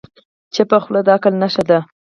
چپه خوله، د عقل نښه ده.